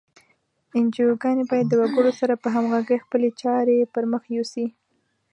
انجوګانې باید د وګړو سره په همغږۍ خپلې چارې پر مخ یوسي.